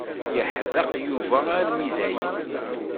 Yeḥdeq Yuba armi dayen.